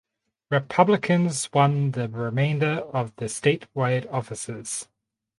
Republicans won the remainder of the statewide offices.